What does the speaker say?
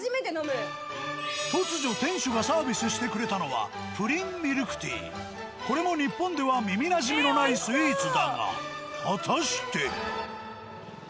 突如店主がサービスしてくれたのはこれも日本では耳なじみのないスイーツだが果たして？